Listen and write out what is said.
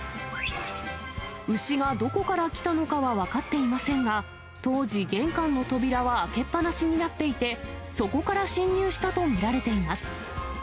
牛がどこから来たのかは分かっていませんが、当時、玄関の扉は開けっ放しになっていて、そこから侵入したと見られています。